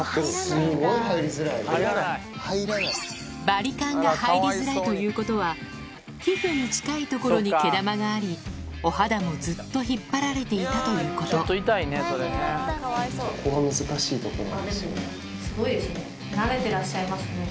バリカンが入りづらいということは皮膚に近いところに毛玉がありお肌もずっと引っ張られていたということあっでもすごいですね。